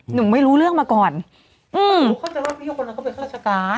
หนูไม่รู้เรื่องมาก่อนอืมหนูเข้าใจว่าพี่ยุคนนั้นก็เป็นข้าราชการ